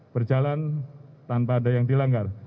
berjalan tanpa ada yang dilanggar